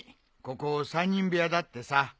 ここ３人部屋だってさ。